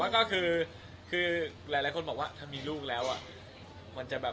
ก็คือมีลูกแล้วอ่ะ